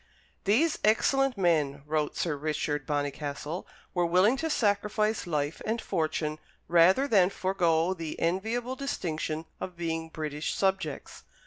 "These excellent men," wrote Sir Richard Bonnycastle, "were willing to sacrifice life and fortune rather than forego the enviable distinction of being British subjects."